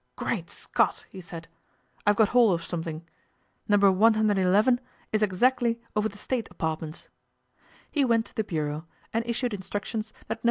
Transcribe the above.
'Great Scott!' he said, 'I've got hold of something No. 111 is exactly over the State apartments.' He went to the bureau, and issued instructions that No.